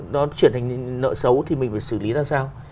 nó chuyển thành nợ xấu thì mình phải xử lý ra sao